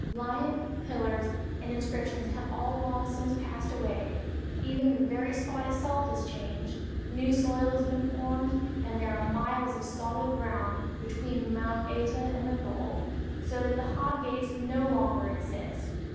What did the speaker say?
Lion, pillars, and inscriptions have all long since passed away, even the very spot itself has changed; new soil has been formed, and there are miles of solid ground between Mount Śta and the gulf, so that the Hot Gates no longer exist.